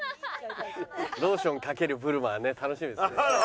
ローション×ブルマはね楽しみですね。